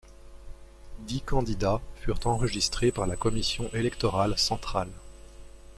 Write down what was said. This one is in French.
Dix candidats furent enregistrés par la Commission Électorale Centrale.